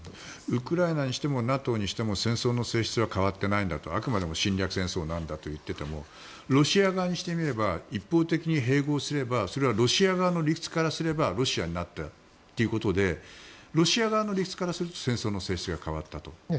ウクライナにしてもＮＡＴＯにしても戦争の性質は変わっていないんだとあくまでも侵略戦争なんだと言っていてもロシア側にしてみれば一方的に併合すればそれはロシア側の理屈からすればロシアになったということでロシア側の理屈からすると戦争の性質が変わったと。